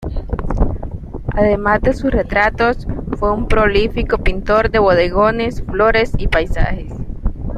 Además de sus retratos, fue un prolífico pintor de bodegones, flores y paisajes.